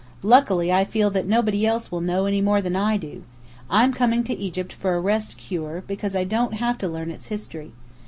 Luckily I feel that nobody else will know any more than I do. I'm coming to Egypt for a rest cure, because I don't have to learn its history.